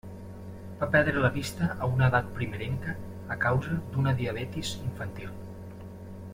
Va perdre la vista a una edat primerenca a causa d'una diabetis infantil.